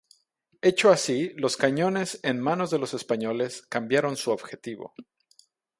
Hecho así, los cañones, en manos de los españoles, cambiaron su objetivo.